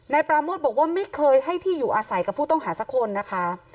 ปราโมทบอกว่าไม่เคยให้ที่อยู่อาศัยกับผู้ต้องหาสักคนนะคะ